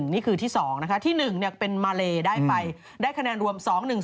นี่คือที่๒นะคะที่๑เป็นมาเลได้ไปได้คะแนนรวม๒๑๒